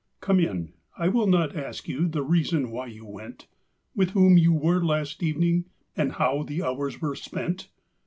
Come in, I will not ask you The reason why you went. With whom you were last evening, And how the hours were spent.